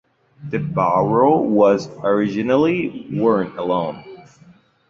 The Baro was originally worn alone.